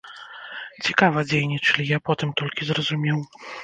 Цікава дзейнічалі, я потым толькі зразумеў.